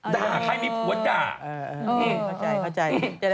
ด่าใครมีผัวจ้า